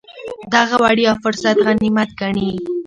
دغه وړیا فرصت غنیمت ګڼي.